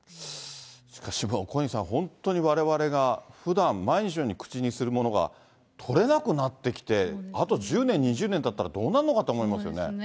しかしもう、小西さん、本当にわれわれがふだん、毎日のように口にするものが、取れなくなってきて、あと１０年、２０年たったらどうなんのかと思いますよね。